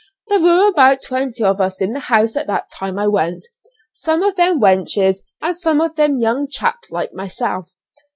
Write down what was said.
There were about twenty of us in the house at the time I went; some of them wenches and some of them young chaps like myself.